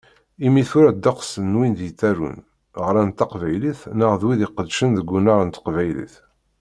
Imi tura ddeqs n wid yettarun, ɣran taqbaylit neɣ d wid iqeddcen deg unnar n teqbaylit